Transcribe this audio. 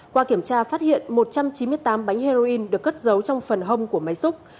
qua kiểm tra phát hiện một trăm chín mươi tám bánh heroin được cất giấu trong phần hông của máy xúc